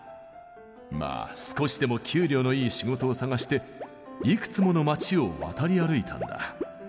まあ少しでも給料のいい仕事を探していくつもの町を渡り歩いたんだ。